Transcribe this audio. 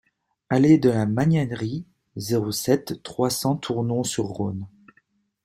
Allée de la Magnanerie, zéro sept, trois cents Tournon-sur-Rhône